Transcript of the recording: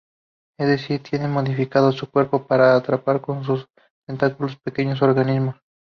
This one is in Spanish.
Es decir, tienen modificado su cuerpo para atrapar con sus tentáculos pequeños organismos.